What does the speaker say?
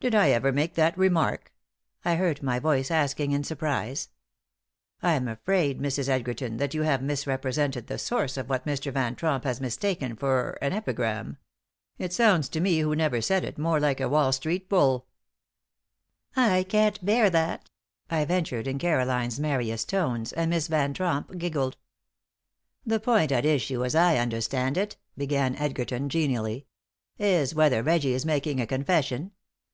"Did I ever make that remark?" I heard my voice asking in surprise. "I'm afraid, Mrs. Edgerton, that you have misrepresented the source of what Mr. Van Tromp has mistaken for an epigram. It sounds to me, who never said it, more like a Wall street bull." "I can't bear that," I ventured, in Caroline's merriest tones, and Miss Van Tromp giggled. "The point at issue, as I understand it," began Edgerton, genially, "is whether Reggie is making a confession.